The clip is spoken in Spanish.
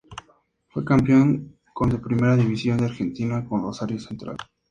Fue campeón con de Primera División de Argentina con Rosario Central.